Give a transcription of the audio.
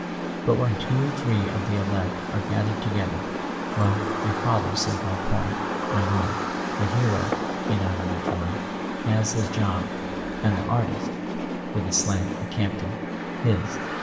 But when two or three of the Elect are gathered together—well, your father sees my point, I know. The Hero," he nodded at George, "has his job, and the Artist," with a slant at [ 321 ] A SON AT THE FRONT Campton, "his.